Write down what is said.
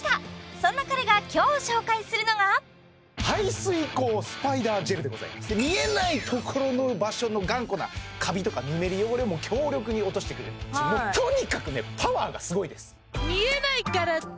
そんな彼が今日紹介するのが排水口スパイダージェルでございます見えないところの場所の頑固なカビとかぬめり汚れも強力に落としてくれるもうとにかくねパワーがすごいですからね